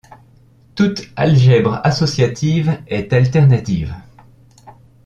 Toute algèbre associative est alternative.